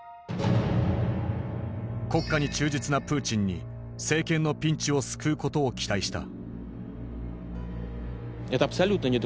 国家に忠実なプーチンに政権のピンチを救うことを期待した。